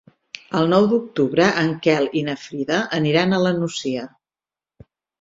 El nou d'octubre en Quel i na Frida aniran a la Nucia.